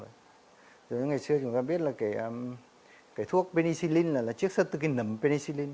giống như ngày xưa chúng ta biết là cái thuốc penicillin là chiếc sơ từ cây nấm penicillin